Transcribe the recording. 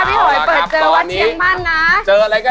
น่าพี่หอยเปิดเจอวัดเชียงมั่นนะ